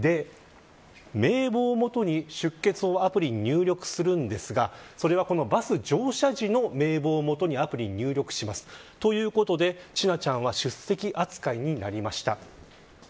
名簿をもとに出欠をアプリに入力するんですがそれはバス乗車時の名簿をもとにアプリに入力しますということで千奈ちゃんは出席扱いになりました。